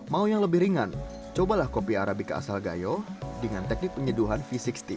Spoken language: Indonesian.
mau yang lebih ringan cobalah kopi arabica asal gayo dengan teknik penyeduhan v enam puluh